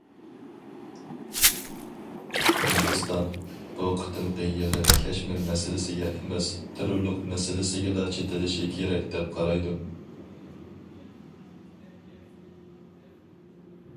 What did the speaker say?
ھىندىستان، بۇ قېتىمقى يىغىن كەشمىر مەسىلىسىگە ئەمەس، تېررورلۇق مەسىلىسىگىلا چېتىلىشى كېرەك دەپ قارايدۇ.